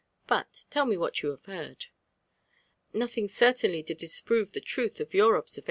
—Alt tell me what yen have heard/' '* Nothing eertainly to diaprore Iher truth of your obaer?